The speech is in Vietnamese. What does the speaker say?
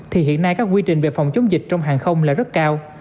thì hiện nay các quy trình về phòng chống dịch trong hàng không là rất cao